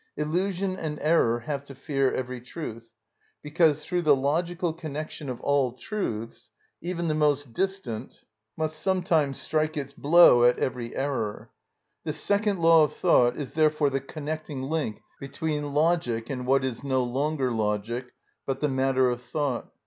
Illusion and error have to fear every truth, because through the logical connection of all truths even the most distant must some time strike its blow at every error. This second law of thought is therefore the connecting link between logic and what is no longer logic, but the matter of thought.